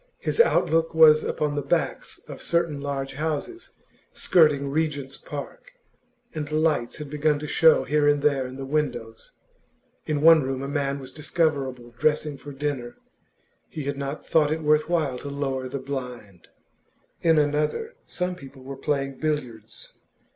His outlook was upon the backs of certain large houses skirting Regent's Park, and lights had begun to show here and there in the windows: in one room a man was discoverable dressing for dinner, he had not thought it worth while to lower the blind; in another, some people were playing billiards.